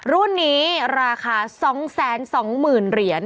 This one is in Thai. รุ่นนี้ราคา๒๒๐๐๐เหรียญ